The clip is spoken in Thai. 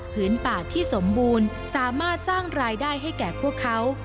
พื้นป่าที่สมบูรณ์สามารถสร้างรายได้ให้แก่พวกเขา